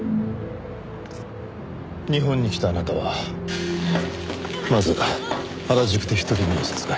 日本に来たあなたはまず原宿で１人目を殺害。